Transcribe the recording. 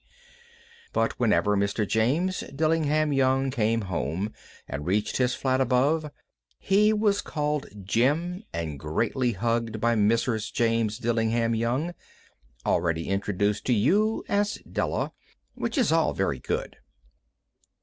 But whenever Mr. James Dillingham Young came home and reached his flat above he was called "Jim" and greatly hugged by Mrs. James Dillingham Young, already introduced to you as Della. Which is all very good.